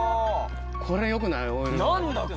これよくない？